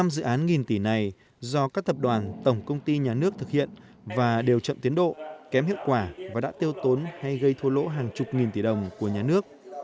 năm dự án nghìn tỷ này do các tập đoàn tổng công ty nhà nước thực hiện và đều chậm tiến độ kém hiệu quả và đã tiêu tốn hay gây thua lỗ hàng chục nghìn tỷ đồng của nhà nước